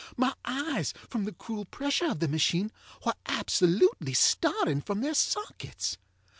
My eyes, from the cruel pressure of the machine, were absolutely starting from their sockets.